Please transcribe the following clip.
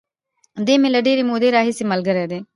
دی مې له ډېرې مودې راهیسې ملګری دی.